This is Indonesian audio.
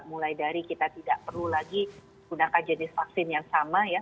mulai dari kita tidak perlu lagi gunakan jenis vaksin yang sama ya